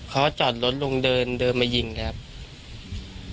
เขาจอดรถลุงเดินเดินมายิงเลยครับ